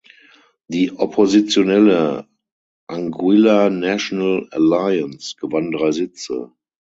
Die oppositionelle "Anguilla National Alliance" gewann drei Sitze.